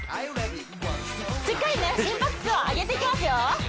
しっかりね心拍数を上げていきますよ